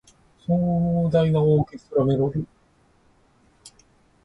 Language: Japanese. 壮大なオーケストラメロディ